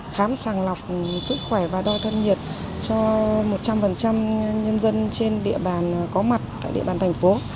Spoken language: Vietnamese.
khám sàng lọc sức khỏe và đo thân nhiệt cho một trăm linh nhân dân trên địa bàn có mặt tại địa bàn thành phố